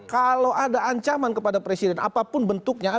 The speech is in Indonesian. kalau ada ancaman kepada presiden apapun bentuknya